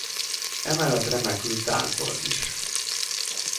Emellett remekül táncolt is.